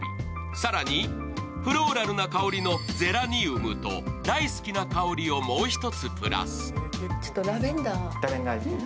更にフローラルな香りのゼラニウムと大好きな香りをもう一つプラス。